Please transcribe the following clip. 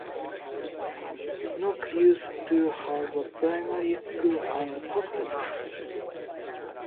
Knock used to have a primary school and post office.